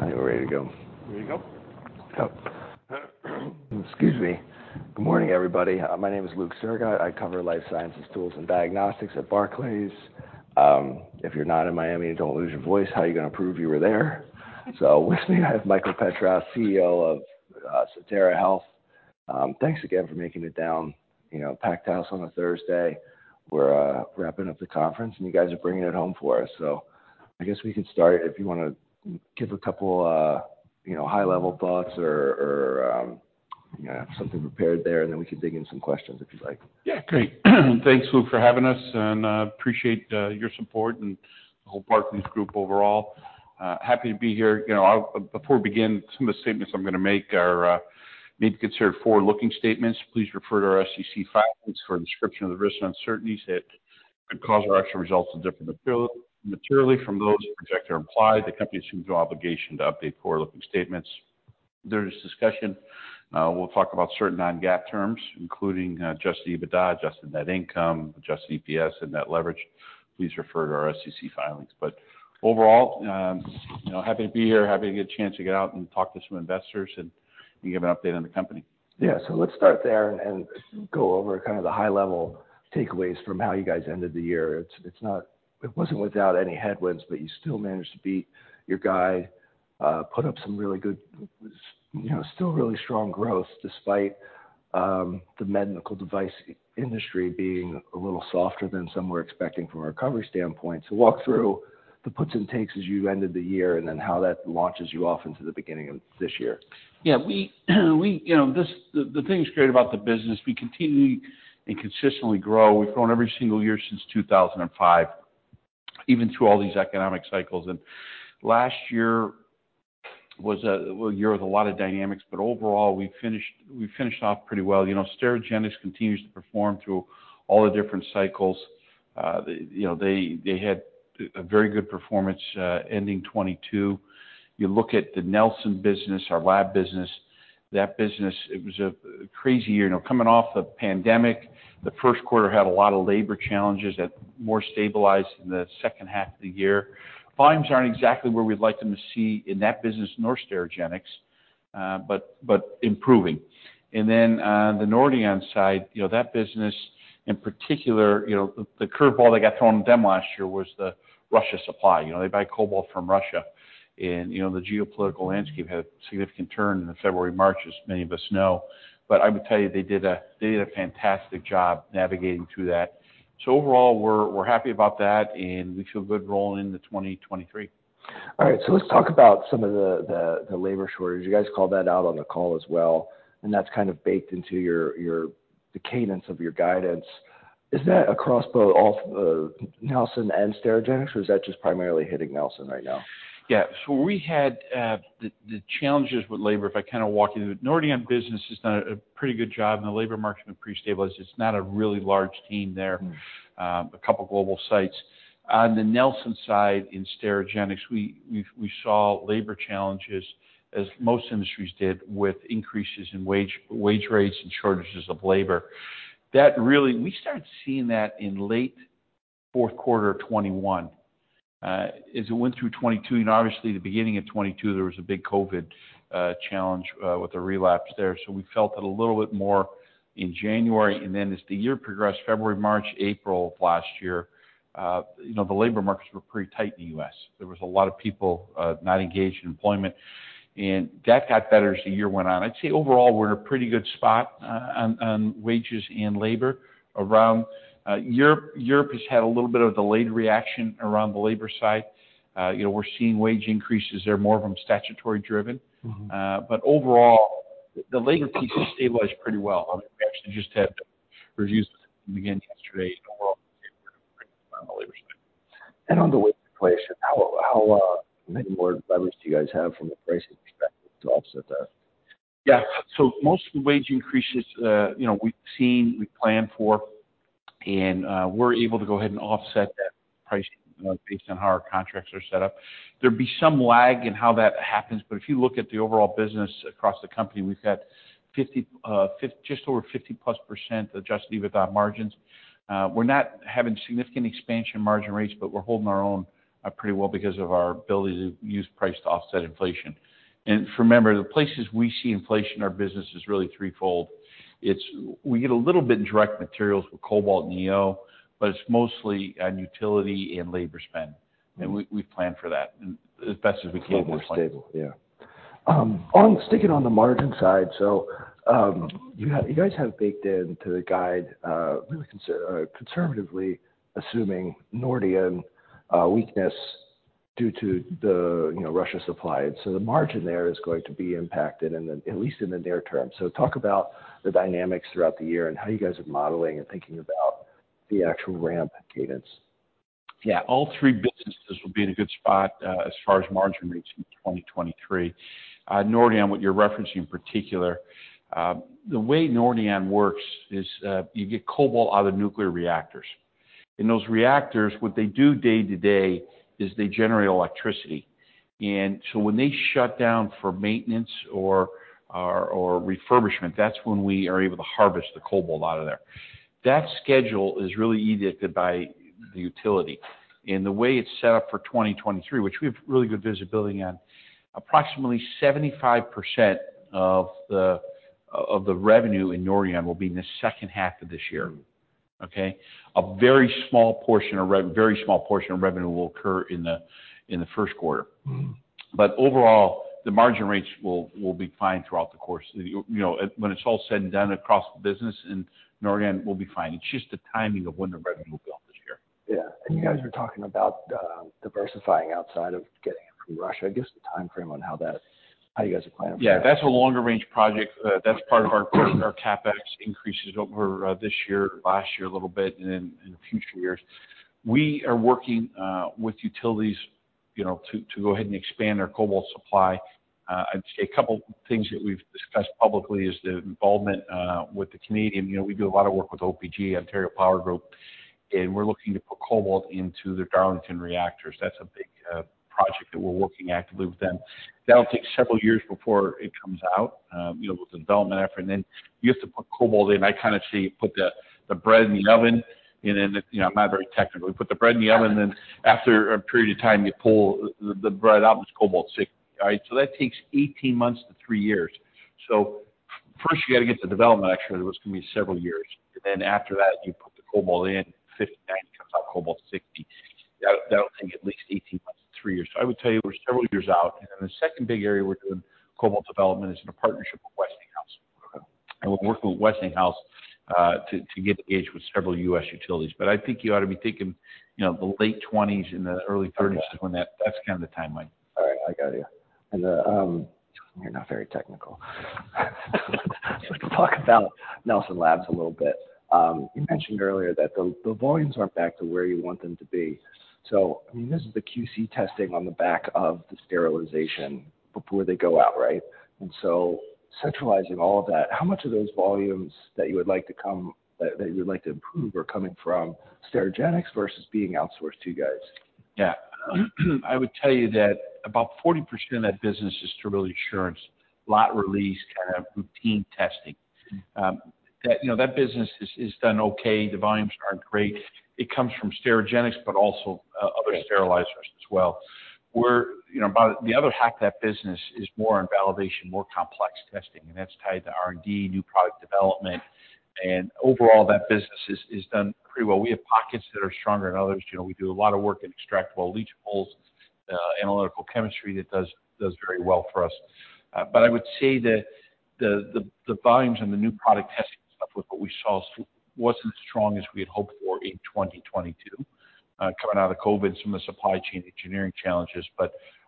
I think we're ready to go. Ready to go? Go. Excuse me. Good morning, everybody. My name is Luke Sergott. I cover Life Sciences Tools and Diagnostics at Barclays. If you're not in Miami and don't lose your voice, how are you gonna prove you were there? With me, I have Michael Petras, CEO of Sotera Health. Thanks again for making it down, you know, packed house on a Thursday. We're wrapping up the conference, and you guys are bringing it home for us. I guess we could start, if you wanna give a couple, you know, high-level thoughts or, you know, something prepared there, and then we could dig in some questions if you'd like. Yeah, great. Thanks, Luke, for having us. Appreciate your support and the whole Barclays group overall. Happy to be here. You know, before we begin, some of the statements I'm gonna make are need to be considered forward-looking statements. Please refer to our SEC filings for a description of the risks and uncertainties that could cause our actual results to differ materially from those projected or implied. The company assumes no obligation to update forward-looking statements. During this discussion, we'll talk about certain non-GAAP terms, including Adjusted EBITDA, adjusted net income, Adjusted EPS, and net leverage. Please refer to our SEC filings. Overall, you know, happy to be here, happy to get a chance to get out and talk to some investors and give an update on the company. Yeah. Let's start there and go over kind of the high-level takeaways from how you guys ended the year. It wasn't without any headwinds, but you still managed to beat your guide, put up some really good, you know, still really strong growth despite the medical device industry being a little softer than some were expecting from a recovery standpoint. Walk through the puts and takes as you ended the year and then how that launches you off into the beginning of this year. Yeah, we, you know, the thing that's great about the business, we continue and consistently grow. We've grown every single year since 2005, even through all these economic cycles. Last year was well, a year with a lot of dynamics, but overall, we finished off pretty well. You know, Sterigenics continues to perform through all the different cycles. You know, they had a very good performance, ending 2022. You look at the Nelson business, our Lab business, that business, it was a crazy year. You know, coming off the pandemic, the first quarter had a lot of labor challenges that more stabilized in the second half of the year. Volumes aren't exactly where we'd like them to see in that business nor Sterigenics, but improving. Then, the Nordion side, you know, that business in particular, you know, the curve ball that got thrown at them last year was the Russia supply. You know, they buy Cobalt from Russia and, you know, the geopolitical landscape had a significant turn in February, March, as many of us know. I would tell you they did a fantastic job navigating through that. Overall, we're happy about that, and we feel good rolling into 2023. All right. Let's talk about some of the labor shortage. You guys called that out on the call as well, and that's kind of baked into your the cadence of your guidance. Is that across both of Nelson and Sterigenics, or is that just primarily hitting Nelson right now? Yeah. We had the challenges with labor, if I kinda walk you through it. Nordion business has done a pretty good job, the labor market have pretty stabilized. It's not a really large team there. Mm-hmm. A couple global sites. On the Nelson side, in Sterigenics, we saw labor challenges, as most industries did, with increases in wage rates and shortages of labor. We started seeing that in late fourth quarter 2021. As it went through 2022, and obviously the beginning of 2022, there was a big COVID challenge with the relapse there. We felt it a little bit more in January, as the year progressed, February, March, April of last year, you know, the labor markets were pretty tight in the U.S. There was a lot of people not engaged in employment, that got better as the year went on. I'd say overall, we're in a pretty good spot on wages and labor around Europe has had a little bit of delayed reaction around the labor side. You know, we're seeing wage increases. They're more of them statutory-driven. Mm-hmm. Overall, the labor piece has stabilized pretty well. I mean, we actually just had reviews again yesterday overall on the labor side. On the wage inflation, how many more levers do you guys have from a pricing perspective to offset that? Yeah. Most of the wage increases, you know, we've seen, we planned for, and we're able to go ahead and offset that price, you know, based on how our contracts are set up. There'd be some lag in how that happens, but if you look at the overall business across the company, we've had 50%, just over 50%+ Adjusted EBITDA margins. We're not having significant expansion in margin rates, but we're holding our own, pretty well because of our ability to use price to offset inflation. Remember, the places we see inflation in our business is really threefold. We get a little bit in direct materials with Cobalt and EO, but it's mostly on utility and labor spend. Mm-hmm. We've planned for that as best as we can at this point. It's a little more stable, yeah. sticking on the margin side, you guys have baked into the guide, really conservatively assuming Nordion weakness due to the, you know, Russia supply. The margin there is going to be impacted in the, at least in the near term. Talk about the dynamics throughout the year and how you guys are modeling and thinking about the actual ramp cadence? Yeah. All three businesses will be in a good spot, as far as margin rates in 2023. Nordion, what you're referencing in particular, the way Nordion works is, you get Cobalt out of nuclear reactors. Those reactors, what they do day to day is they generate electricity. When they shut down for maintenance or refurbishment, that's when we are able to harvest the Cobalt out of there. That schedule is really dictated by the utility. The way it's set up for 2023, which we have really good visibility on, approximately 75% of the revenue in Nordion will be in the second half of this year. Mm-hmm. Okay? A very small portion of revenue will occur in the first quarter. Mm-hmm. Overall, the margin rates will be fine throughout the course. You know, when it's all said and done across the business in Nordion, we'll be fine. It's just the timing of when the revenue will be off this year. Yeah. You guys were talking about, diversifying outside of getting it from Russia. I guess the timeframe on how you guys are planning for that? Yeah. That's a longer-range project. That's part of our CapEx increases over this year, last year a little bit, and then in the future years. We are working with utilities, you know, to go ahead and expand our Cobalt supply. I'd say a couple things that we've discussed publicly is the involvement with the Canadian. You know, we do a lot of work with OPG, Ontario Power Group, and we're looking to put Cobalt into their Darlington reactors. That's a big project that we're working actively with them. That'll take several years before it comes out, you know, with the development effort. And then you have to put Cobalt in. I kinda say put the bread in the oven and then the, you know, I'm not very technical. We put the bread in the oven, then after a period of time, you pull the bread out and it's Cobalt-60. All right. That takes 18 months to three years. First you gotta get the development, actually, that's gonna be several years. After that, you put the Cobalt in, 59, it comes out Cobalt-60. That'll take at least 18 months to three years. I would tell you we're several years out. The second big area we're doing Cobalt development is in a partnership with Westinghouse. Okay. We're working with Westinghouse, to get engaged with several U.S. utilities. I think you ought to be thinking, you know, the late twenties and the early 30s. Okay. That's kinda the timeline. All right. I got you. You're not very technical. We can talk about Nelson Labs a little bit. You mentioned earlier that the volumes aren't back to where you want them to be. I mean, this is the QC testing on the back of the sterilization before they go out, right? Centralizing all of that, how much of those volumes that you would like to improve are coming from Sterigenics versus being outsourced to you guys? Yeah. I would tell you that about 40% of that business is sterility assurance, lot release, kind of routine testing. That, you know, that business is done okay. The volumes aren't great. It comes from Sterigenics, but also other sterilizers as well. We're, you know, about the other half of that business is more on validation, more complex testing, and that's tied to R&D, new product development. Overall, that business is done pretty well. We have pockets that are stronger than others. You know, we do a lot of work in extractable leachables, analytical chemistry that does very well for us. I would say that the, the volumes and the new product testing stuff with what we saw wasn't as strong as we had hoped for in 2022, coming out of COVID, some of the supply chain engineering challenges.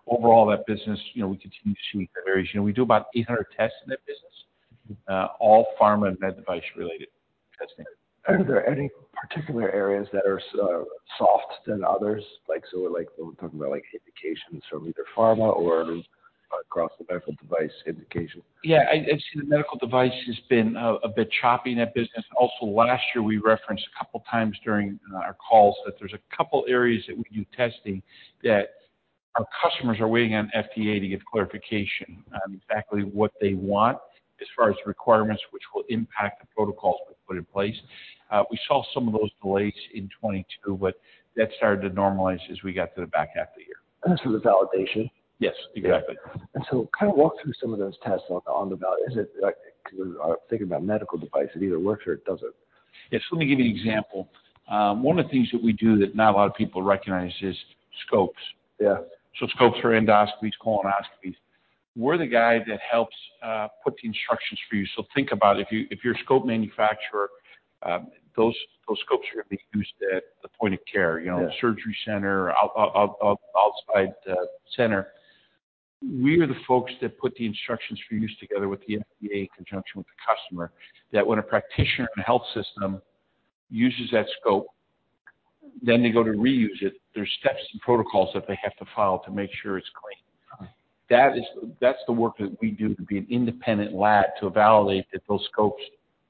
Overall, that business, you know, we continue to see variation. We do about 800 tests in that business, all pharma and med device related testing. Are there any particular areas that are soft than others? Like, so like when we're talking about, like, indications from either pharma or across the medical device indication. Yeah. I'd say the medical device has been a bit choppy in that business. Last year, we referenced a couple times during our calls that there's a couple areas that we do testing that our customers are waiting on FDA to give clarification on exactly what they want as far as requirements, which will impact the protocols we put in place. We saw some of those delays in 2022, but that started to normalize as we got to the back half of the year. This is a validation? Yes. Exactly. Kind of walk through some of those tests on the. Is it like 'cause I'm thinking about medical device, it either works or it doesn't? Yes. Let me give you an example. One of the things that we do that not a lot of people recognize is scopes. Yeah. Scopes for endoscopies, colonoscopies. We're the guy that helps put the instructions for you. Think about it, if you're a scope manufacturer, those scopes are gonna be used at the point of care. Yeah. You know, surgery center, outside the center. We are the folks that put the instructions for use together with the FDA in conjunction with the customer, that when a practitioner in a health system uses that scope, then they go to reuse it, there's steps and protocols that they have to follow to make sure it's clean. Okay. That's the work that we do to be an independent lab to validate that those scopes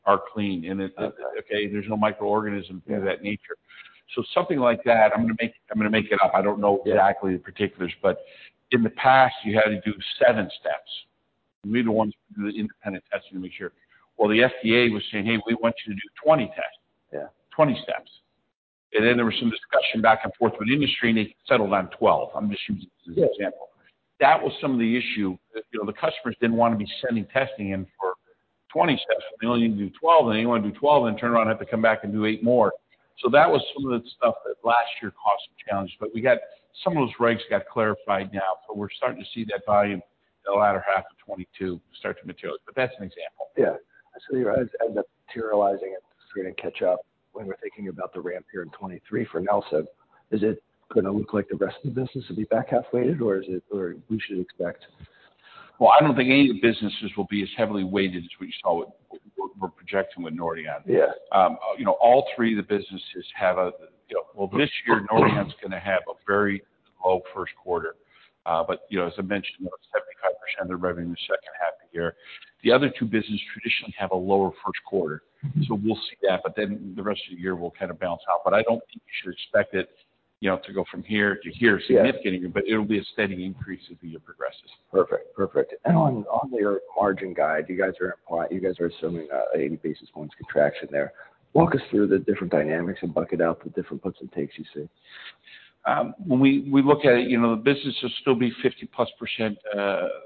are clean and that, okay, there's no microorganisms of that nature. Something like that, I'm gonna make it up. I don't know exactly the particulars, but in the past, you had to do seven steps. We're the ones to do the independent testing to make sure. The FDA was saying, "Hey, we want you to do 20 tests. Yeah. 20 steps. Then there was some discussion back and forth with industry, and they settled on 12. I'm just using this as an example. Yeah. That was some of the issue. You know, the customers didn't wanna be sending testing in for 20 steps. They only need to do 12, and they didn't wanna do 12 and then turn around and have to come back and do eight more. That was some of the stuff that last year caused some challenges, but we got, some of those regs got clarified now, so we're starting to see that volume in the latter half of 2022 start to materialize. That's an example. You guys end up materializing it. It's gonna catch up when we're thinking about the ramp here in 23 for Nelson. Is it gonna look like the rest of the business will be back half-weighted, or we should expect? I don't think any of the businesses will be as heavily weighted as we saw with what we're projecting with Nordion. Yeah. You know, Well, this year, Nordion's going to have a very low first quarter. You know, 75% of their revenue in the second half of the year. The other two businesses traditionally have a lower first quarter. Mm-hmm. We'll see that, but then the rest of the year will kind of balance out. I don't think you should expect it, you know, to go from here to here. Yes Significantly, but it'll be a steady increase as the year progresses. Perfect. On your margin guide, you guys are assuming an 80 basis points contraction there. Walk us through the different dynamics and bucket out the different puts and takes you see. When we look at it, you know, the business will still be 50%+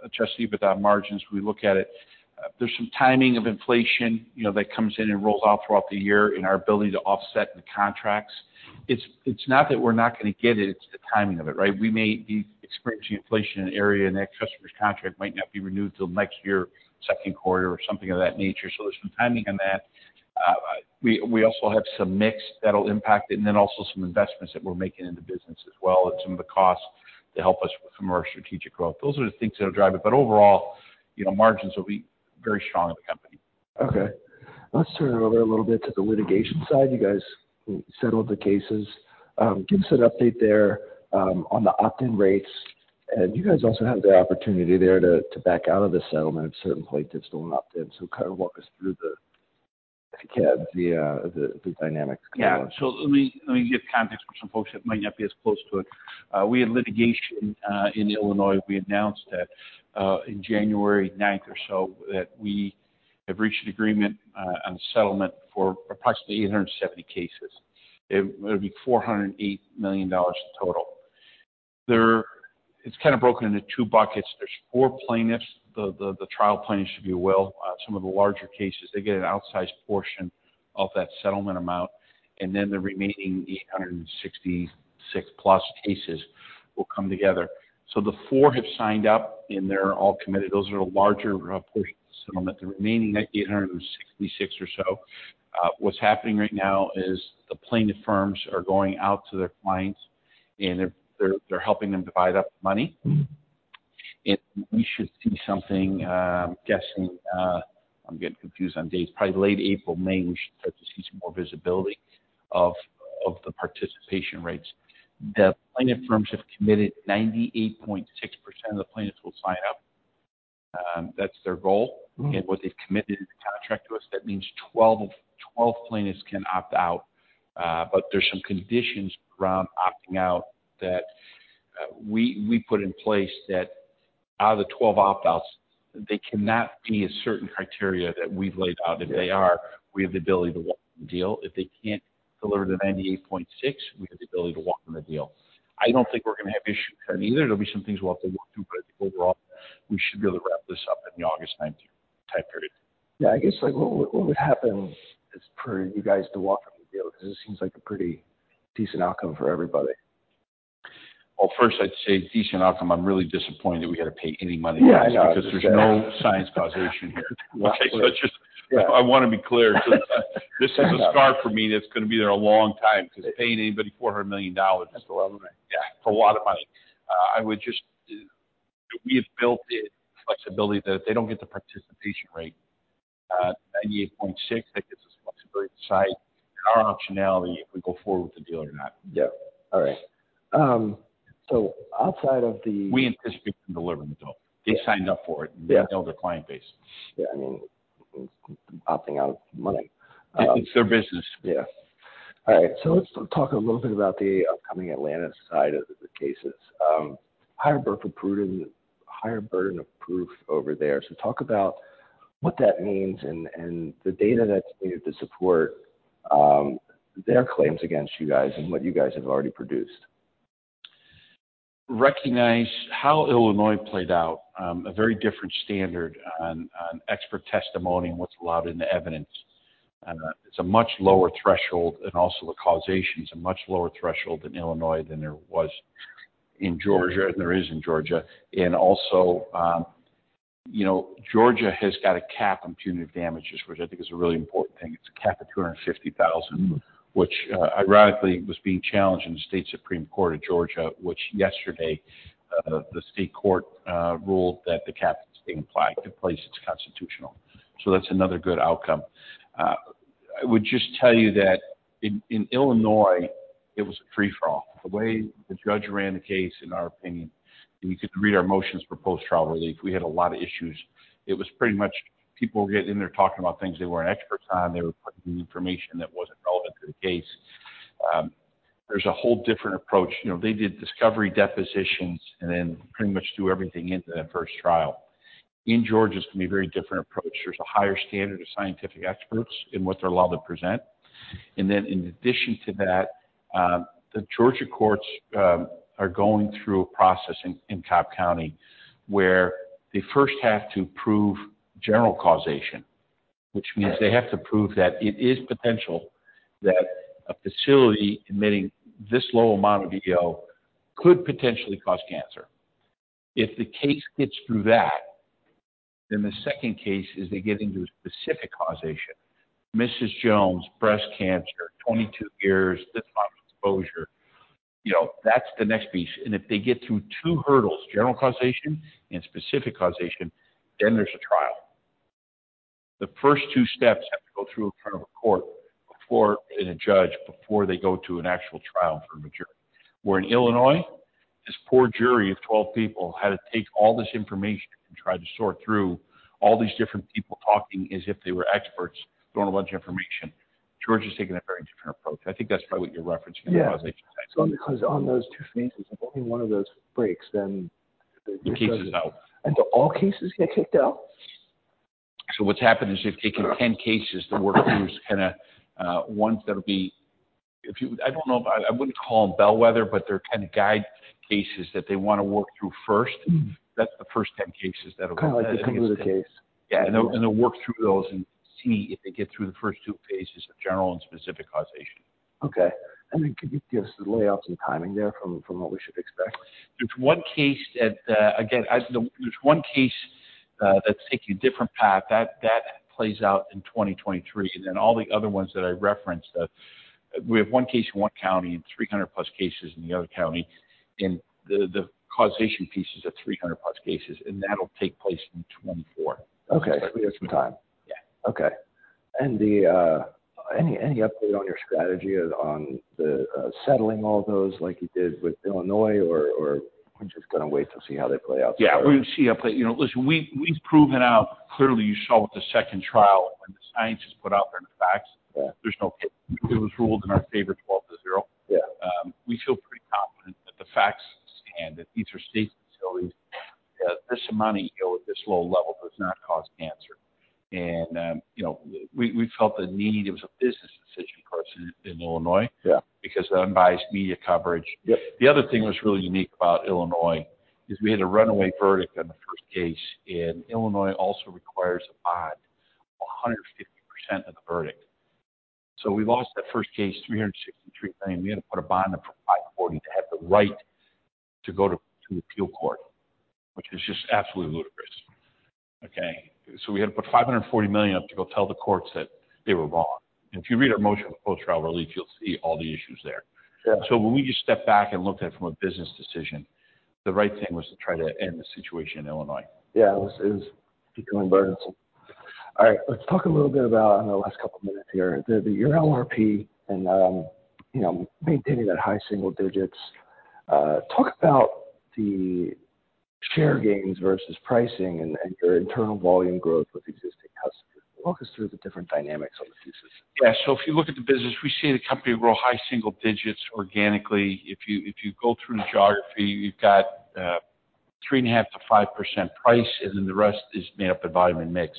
Adjusted EBITDA margins. We look at it, there's some timing of inflation, you know, that comes in and rolls out throughout the year in our ability to offset the contracts. It's not that we're not gonna get it's the timing of it, right? We may be experiencing inflation in an area, and that customer's contract might not be renewed till next year, something of that nature. There's some timing on that. We also have some mix that'll impact it, and then also some investments that we're making in the business as well, and some of the costs to help us with some of our strategic growth. Those are the things that'll drive it. Overall, you know, margins will be very strong in the company. Okay. Let's turn it over a little bit to the litigation side. You guys settled the cases. Give us an update there, on the opt-in rates. You guys also have the opportunity there to back out of the settlement at a certain point that's still an opt-in, so kind of walk us through the, if you can, the dynamics going on. Let me give context for some folks that might not be as close to it. We had litigation in Illinois. We announced that in January 9th or so that we have reached an agreement on a settlement for approximately 870 cases. It'll be $408 million in total. It's kinda broken into two buckets. There's four plaintiffs, the trial plaintiffs, if you will. Some of the larger cases, they get an outsized portion of that settlement amount, and then the remaining 866+ cases will come together. The four have signed up, and they're all committed. Those are the larger portion of the settlement. The remaining 866 or so, what's happening right now is the plaintiff firms are going out to their clients, and they're helping them divide up the money. Mm-hmm. We should see something, guessing, I'm getting confused on dates, probably late April, May, we should start to see some more visibility of the participation rates. The plaintiff firms have committed 98.6% of the plaintiffs will sign up. That's their goal. Mm-hmm. What they've committed in the contract to us, that means 12 plaintiffs can opt out. There's some conditions around opting out that we put in place that out of the 12 opt-outs, they cannot be a certain criteria that we've laid out. Okay. If they are, we have the ability to walk from the deal. If they can't deliver the 98.6, we have the ability to walk from the deal. I don't think we're gonna have issues with that either. There'll be some things we'll have to walk through, but I think overall, we should be able to wrap this up in the August time period. Yeah. I guess, like, what would happen as per you guys to walk from the deal 'cause it seems like a pretty decent outcome for everybody? Well, first I'd say decent outcome, I'm really disappointed we gotta pay any money at all. Yeah, I know. There's no science causation here. Okay? Yeah. I wanna be clear. This is a scar for me that's gonna be there a long time. 'Cause paying anybody $400 million That's a lot of money. Yeah. It's a lot of money. We have built in flexibility that if they don't get the participation rate at 98.6%, that gives us flexibility to decide our optionality if we go forward with the deal or not. Yeah. All right. outside of We anticipate them delivering the dollar. Yeah. They signed up for it. Yeah. They know their client base. Yeah, I mean, opting out money. It's their business. Yeah. All right. Let's talk a little bit about the upcoming Atlanta side of the cases. Higher burden of proof over there. Talk about what that means and the data that's needed to support their claims against you guys and what you guys have already produced. Recognize how Illinois played out, a very different standard on expert testimony and what's allowed into evidence. It's a much lower threshold, and also the causation's a much lower threshold in Illinois than there was in Georgia, and there is in Georgia. Also, you know, Georgia has got a cap on punitive damages, which I think is a really important thing. It's a cap of $250,000. Mm-hmm. Ironically, was being challenged in the Supreme Court of Georgia, which yesterday, the state court, ruled that the cap that's being applied to place, it's constitutional. That's another good outcome. I would just tell you that in Illinois, it was a free-for-all. The way the judge ran the case, in our opinion, and you could read our motions for post-trial relief, we had a lot of issues. It was pretty much people getting in there talking about things they weren't experts on. They were putting in information that wasn't relevant to the case. There's a whole different approach. You know, they did discovery depositions and then pretty much threw everything into that first trial. In Georgia, it's gonna be a very different approach. There's a higher standard of scientific experts in what they're allowed to present. In addition to that, the Georgia courts are going through a process in Cobb County, where they first have to prove general causation. Right. Which means they have to prove that it is potential that a facility emitting this low amount of EtO could potentially cause cancer. If the case gets through that, then the second case is they get into a specific causation. Mrs. Jones, breast cancer, 22 years, this amount of exposure. You know, that's the next piece. If they get through two hurdles, general causation and specific causation, then there's a trial. The first two steps have to go through in front of a court before, and a judge, before they go to an actual trial in front of a jury. Where in Illinois, this poor jury of 12 people had to take all this information and try to sort through all these different people talking as if they were experts, throwing a bunch of information. George is taking a very different approach. I think that's probably what you're referencing, the causation side. Yeah. Because on those two phases, if only one of those breaks, then. The case is out. Do all cases get kicked out? What's happened is they've taken 10 cases to work through. It's kinda ones that'll be, I don't know, I wouldn't call them bellwether, but they're kinda guide cases that they wanna work through first. Mm. That's the first 10 cases. Kinda like the Kamuda case. Yeah. They'll work through those and see if they get through the first two phases of general and specific causation. Okay. Could you give us the layout and timing there from what we should expect? There's one case that's taking a different path. That, that plays out in 2023. Then all the other ones that I referenced, we have one case in one county and 300+ cases in the other county. The causation pieces of 300+ cases, and that'll take place in 2024. Okay. We have some time. Yeah. Okay. The, any update on your strategy on the, settling all those like you did with Illinois, or we're just gonna wait till see how they play out? Yeah. We're gonna see how it play. You know, listen, we've proven out clearly, you saw with the second trial and when the science is put out there in the facts. Yeah There's no case. It was ruled in our favor 12 to zero. Yeah. We feel pretty confident that the facts stand, that these are safe facilities, that this amount of EtO at this low level does not cause cancer. You know, we felt the need, it was a business decision, of course, in Illinois. Yeah Because of the unbiased media coverage. Yep. The other thing was really unique about Illinois is we had a runaway verdict on the first case, and Illinois also requires a bond of 150% of the verdict. We lost that first case, $363 million. We had to put a bond up for $540 million to have the right to go to appeal court, which is just absolutely ludicrous. Okay? We had to put $540 million up to go tell the courts that they were wrong. If you read our motion of post-trial relief, you'll see all the issues there. Yeah. When we just stepped back and looked at it from a business decision, the right thing was to try to end the situation in Illinois. Yeah. It was, it was becoming burdensome. All right. Let's talk a little bit about, in the last couple minutes here, the, your LRP and, you know, maintaining that high single digits. Talk about the share gains versus pricing and your internal volume growth with existing customers. Walk us through the different dynamics on the thesis. Yeah. If you look at the business, we see the company grow high single digits organically. If you go through the geography, you've got 3.5%-5% price, and then the rest is made up of volume and mix.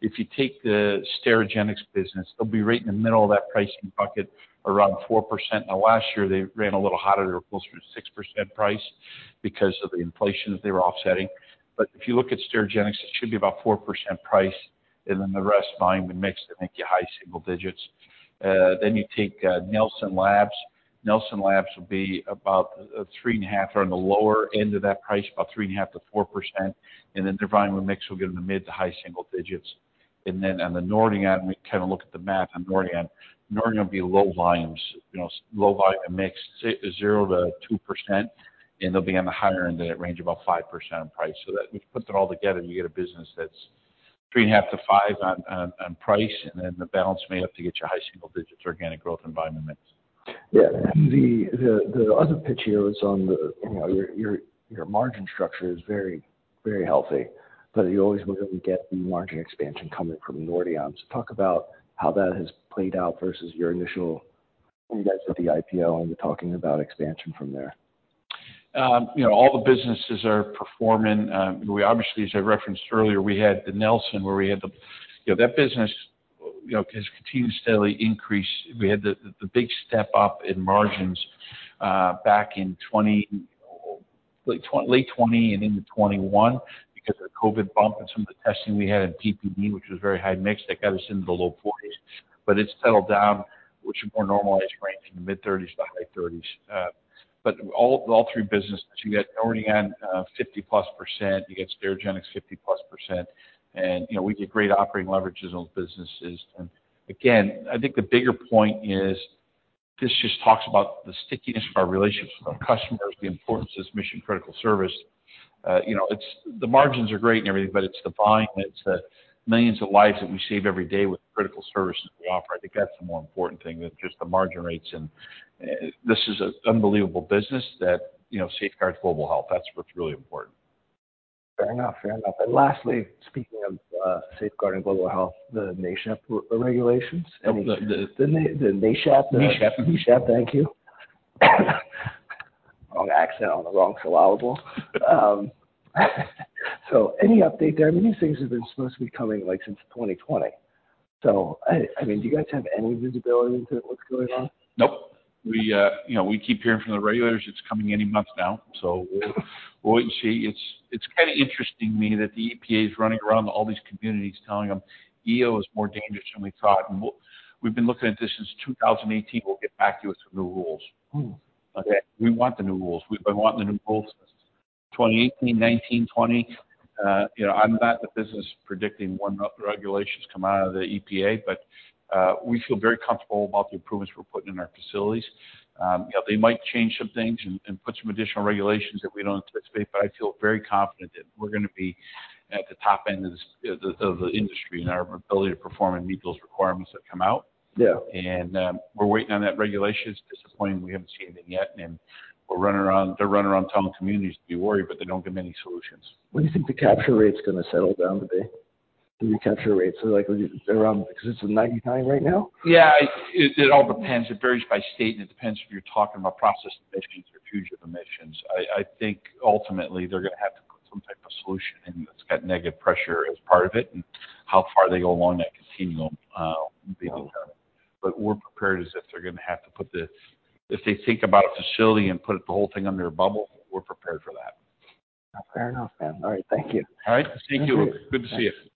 If you take the Sterigenics business, they'll be right in the middle of that pricing bucket, around 4%. Last year, they ran a little hotter. They were closer to 6% price because of the inflation that they were offsetting. If you look at Sterigenics, it should be about 4% price, and then the rest, volume and mix, to make you high single digits. You take Nelson Labs. Nelson Labs will be about 3.5% or on the lower end of that price, about 3.5%-4%, and then their volume and mix will get in the mid to high single digits. Then on the Nordion, we kind of look at the math on Nordion. Nordion will be low volumes, you know, low volume and mix, 0%-2%, and they'll be on the higher end of that range, about 5% on price. That if you put that all together, and you get a business that's 3.5%-5% on price, and then the balance made up to get your high single digits organic growth and volume and mix. Yeah. The, the other pitch here is on the, you know, your, your margin structure is very, very healthy, but you always look at where you get the margin expansion coming from Nordion. Talk about how that has played out versus your initial when you guys did the IPO, and you're talking about expansion from there? You know, all the businesses are performing. We obviously, as I referenced earlier, we had the Nelson. You know, that business, you know, has continued to steadily increase. We had the big step-up in margins back in late 20 and into 21 because of the COVID bump and some of the testing we had in PPD, which was very high mix. That got us into the low 40s. It's settled down, which is a more normalized range in the mid-30s to high 30s. All three businesses, you got Nordion, 50%+, you get Sterigenics 50%+, and, you know, we get great operating leverages on the businesses. Again, I think the bigger point is this just talks about the stickiness of our relationships with our customers, the importance of this mission-critical service. You know, the margins are great and everything, but it's the volume, it's the millions of lives that we save every day with the critical services we offer. I think that's the more important thing than just the margin rates. This is an unbelievable business that, you know, safeguards global health. That's what's really important. Fair enough. Fair enough. Lastly, speaking of safeguarding global health, the NESHAP regulations. The, the, the- The NESHAP. NESHAP. NESHAP, thank you. Wrong accent on the wrong allowable. Any update there? I mean, these things have been supposed to be coming, like, since 2020. I mean, do you guys have any visibility into what's going on? Nope. We, you know, we keep hearing from the regulators it's coming any month now. We'll wait and see. It's kinda interesting to me that the EPA is running around to all these communities telling them EO is more dangerous than we thought. We've been looking at this since 2018, we'll get back to you with some new rules. Ooh. Okay. We want the new rules. We've been wanting the new rules since 2018, 2019, 2020. You know, I'm not in the business of predicting when regulations come out of the EPA, but we feel very comfortable about the improvements we're putting in our facilities. You know, they might change some things and put some additional regulations that we don't anticipate, but I feel very confident that we're gonna be at the top end of the industry in our ability to perform and meet those requirements that come out. Yeah. We're waiting on that regulation. It's disappointing we haven't seen anything yet. They're running around telling communities to be worried. They don't give them any solutions. What do you think the capture rate's gonna settle down to be? The capture rates are like around, 'cause it's at 99 right now? Yeah. It all depends. It varies by state. It depends if you're talking about process emissions or fugitive emissions. I think ultimately they're gonna have to put some type of solution in that's got negative pressure as part of it. How far they go along that continuum will be determined. We're prepared as if they think about a facility and put the whole thing under a bubble, we're prepared for that. Fair enough, man. All right. Thank you. All right. Thank you. Thank you. Good to see you.